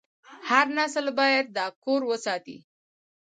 هر نسل باید دا کور وساتي.